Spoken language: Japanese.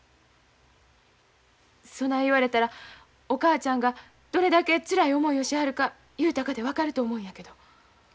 そない言われたらお母ちゃんがどれだけつらい思いをしはるか雄太かて分かると思うんやけど。